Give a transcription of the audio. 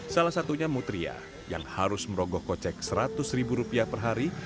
salah satunya mutria yang harus merogoh kocek seratus ribu rupiah per hari